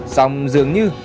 xong dường như